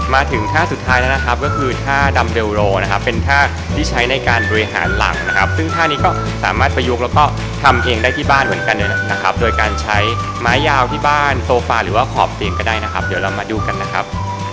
มาถึงท่าสุดท้ายแล้วนะครับก็คือท่าดำเรลโรนะครับเป็นท่าที่ใช้ในการบริหารหลังนะครับซึ่งท่านี้ก็สามารถประยุกต์แล้วก็ทำเองได้ที่บ้านเหมือนกันเลยนะครับโดยการใช้ไม้ยาวที่บ้านโซฟาหรือว่าขอบเตียงก็ได้นะครับเดี๋ยวเรามาดูกันนะครับ